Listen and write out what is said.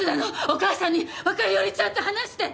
お母さんにわかるようにちゃんと話して。